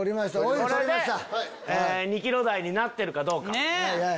これで２ｋｇ台になってるかどうか。